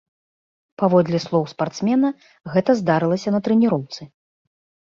Паводле слоў спартсмена, гэта здарылася на трэніроўцы.